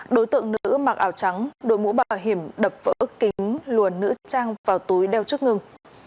đối tượng nữ mặc ảo trắng đôi mũ bảo hiểm đập vỡ kính luồn nữ trang vào túi đeo trước ngừng